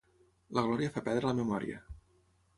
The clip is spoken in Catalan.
La glòria fa perdre la memòria.